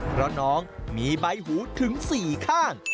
เพราะน้องมีใบหูถึง๔ข้าง